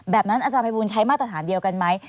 แบบนั้นอาจารย์ภัยบูลใช้มาตรฐานเดียวกันไหม